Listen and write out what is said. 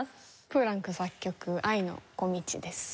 プーランク作曲『愛の小径』です。